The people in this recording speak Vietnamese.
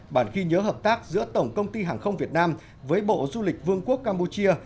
bản ghi nhớ hợp tác giữa tổng công ty hàng không việt nam với bộ du lịch vương quốc campuchia